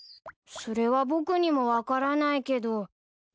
それは僕にも分からないけど。